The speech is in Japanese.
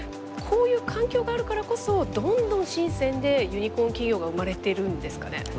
こういう環境があるからこそどんどん深でユニコーン企業が生まれてるんですかね。